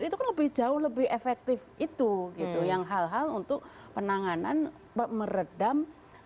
itu kan lebih jauh lebih efektif itu yang hal hal untuk penanganan meredam